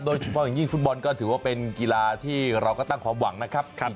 โดยเฉพาะอย่างยิ่งฟุตบอลก็ถือว่าเป็นกีฬาที่เราก็ตั้งความหวังนะครับ